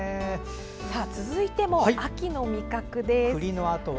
続いても秋の味覚です。